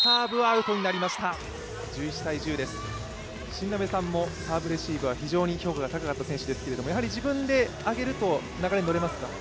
新鍋さんもサーブレシーブは評価が高かった選手ですけれども、やはり自分で上げると、流れに乗れますか。